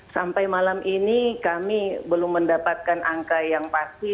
sampai malam ini kami belum mendapatkan angka yang pasti